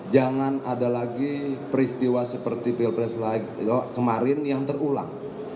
jangan ada lagi peristiwa seperti pilpres kemarin yang terulang